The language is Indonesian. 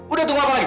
udah tunggu apa lagi